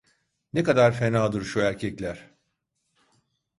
Ne kadar fenadır şu erkekler!